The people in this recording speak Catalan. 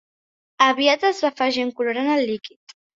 Aviat es va afegir un colorant al líquid.